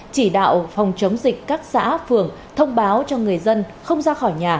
chỉ đạo phòng chống dịch các xã phường thông báo cho người dân không ra khỏi nhà